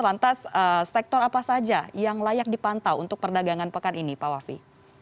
lantas sektor apa saja yang layak dipantau untuk perdagangan pekan ini pak wafi